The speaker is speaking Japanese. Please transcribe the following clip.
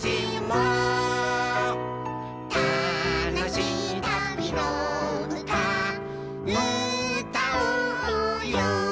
「たのしいたびのうたうたおうよ」